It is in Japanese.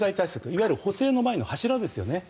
いわゆる補選の前の柱ですよね。